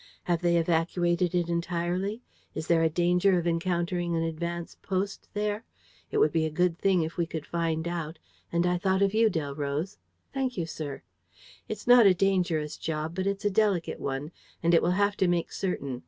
Have they evacuated it entirely? Is there a danger of encountering an advance post there? It would be a good thing if we could find out; and I thought of you, Delroze." "Thank you, sir." "It's not a dangerous job, but it's a delicate one; and it will have to make certain.